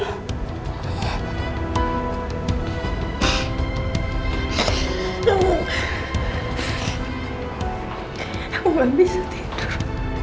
aku gak bisa tidur